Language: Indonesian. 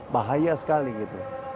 bahaya sekali gitu